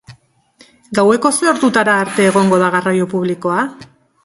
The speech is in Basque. Gaueko zer ordutara arte egongo da garraio publikoa?